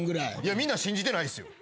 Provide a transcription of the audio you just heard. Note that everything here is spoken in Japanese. みんな信じてないっすよ。